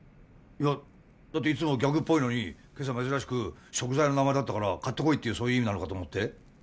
いやだっていつもギャグっぽいのに今朝珍しく食材の名前だったから買ってこいっていうそういう意味なのかと思って。